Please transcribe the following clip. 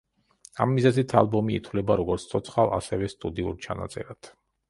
ამ მიზეზით ალბომი ითვლება როგორც ცოცხალ, ასევე სტუდიურ ჩანაწერად.